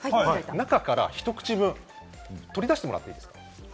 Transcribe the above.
中からひと口分取り出してもらっていいですか？